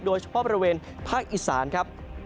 โดยเฉพาะบริเวณภาคอีสานครับ